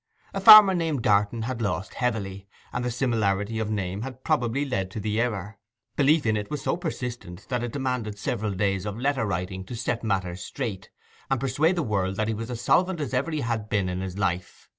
A farmer named Darton had lost heavily, and the similarity of name had probably led to the error. Belief in it was so persistent that it demanded several days of letter writing to set matters straight, and persuade the world that he was as solvent as ever he had been in his life.